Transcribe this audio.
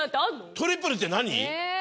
トリプルって何？